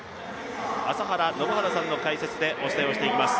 朝原宣治さんの解説でお伝えをしていきます。